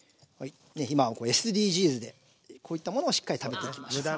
今はＳＤＧｓでこういったものをしっかり食べていきましょう。